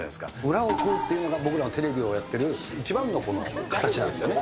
裏を食うっていうのが、僕らのテレビをやってる一番の形なんですよね。